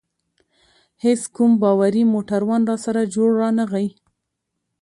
هیڅ کوم باوري موټروان راسره جوړ رانه غی.